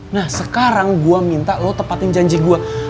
nah sekarang gua minta lo tepatin janji gua